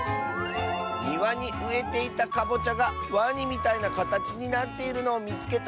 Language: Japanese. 「にわにうえていたカボチャがワニみたいなかたちになっているのをみつけた！」。